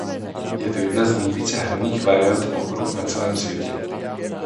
Je to jedna z nejvíce hraných variant pokeru na celém světě.